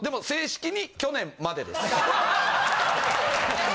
正式に去年までです。